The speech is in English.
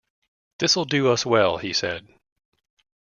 "This'll do us well," he said.